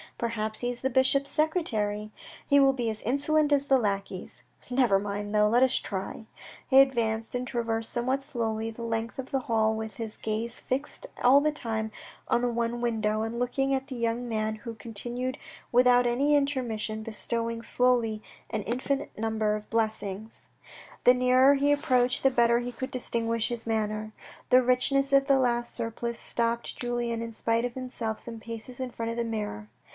Perhaps he is the bishop's secretary. He will be as insolent as the lackeys. Never mind though ! Let us try." He advanced and traversed somewhat slowly the length of the hall, with his gaze fixed all the time on the one window, and looking at the young man who continued without any intermission bestowing slowly an infinite number of blessings. no THE RED AND THE BLACK The nearer he approached the better he could distinguish his angry manner. The richness of the lace surplice stopped Julien in spite of himself some paces in front of the mirror.